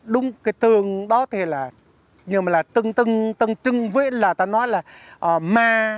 đúng cái tượng đó thì là nhưng mà là tưng tưng tưng tưng với là ta nói là ma